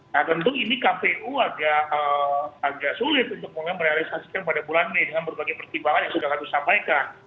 nah tentu ini kpu agak sulit untuk merealisasikan pada bulan mei dengan berbagai pertimbangan yang sudah kami sampaikan